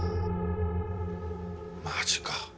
マジか。